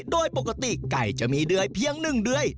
โดยปกติไก่จะมีเดือยเพียง๑เดือน